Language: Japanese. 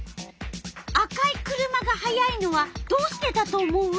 赤い車が速いのはどうしてだと思う？